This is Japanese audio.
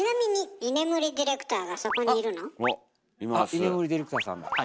あ居眠りディレクターさんだ。